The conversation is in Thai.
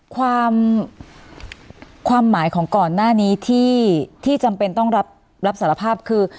ความความหมายของก่อนหน้านี้ที่จำเป็นต้องรับสารภาพคือ